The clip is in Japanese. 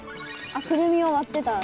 くるみを割ってた？